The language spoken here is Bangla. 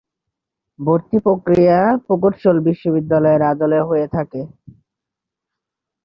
ভর্তি প্রক্রিয়া প্রকৌশল বিশ্ববিদ্যালয়ের আদলে হয়ে থাকে।